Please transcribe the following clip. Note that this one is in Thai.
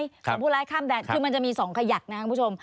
ของผู้ร้ายข้ามแดนคือมันจะมี๒ขยักนะครับคุณผู้ชม